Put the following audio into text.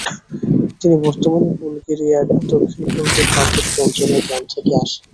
তিনি বর্তমান বুলগেরিয়ার দক্ষিণপূর্বের পার্বত্য অঞ্চলের গ্রাম থেকে আসেন।